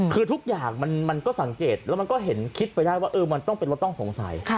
คือทุกอย่างมันก็สังเกตแล้วมันก็เห็นคิดไปได้ว่ามันต้องเป็นรถต้องสงสัย